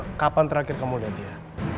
pertemuan terakhir kamu lihat dia